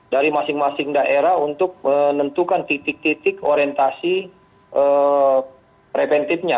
dari masing masing daerah untuk menentukan titik titik orientasi preventifnya